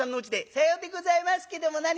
「さようでございますけども何か？」。